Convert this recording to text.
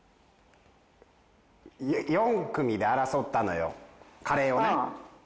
４組で争ったのよカレーをね。